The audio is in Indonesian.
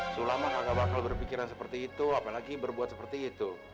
sule mah kakak bakal berpikiran seperti itu apalagi berbuat seperti itu